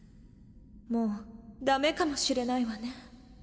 もうダメかもしれないわね。